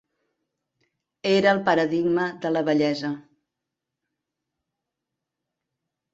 Era el paradigma de la bellesa.